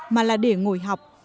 mà là để ngồi học